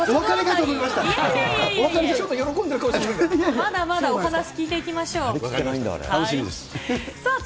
まだまだお話聞いていきまし楽しみです。